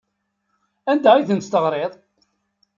Anda ay tent-teɣriḍ?